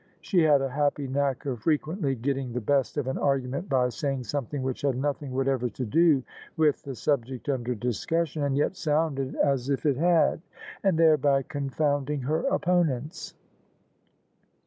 She had a happy knack of heqaendy gsaing die best of an ai^mnent bf say ing somediing idiicfa had nothmg whatever to do with the subject under discussion, and yet sounded as if it had: and thereby confounding her opponents.